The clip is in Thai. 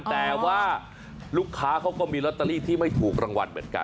แต่ว่าลูกค้าเขาก็มีลอตเตอรี่ที่ไม่ถูกรางวัลเหมือนกัน